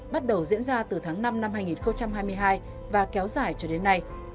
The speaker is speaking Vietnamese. bắt đầu diễn ra từ tháng năm năm hai nghìn hai mươi hai và kéo dài cho đến nay